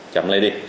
chậm lại đi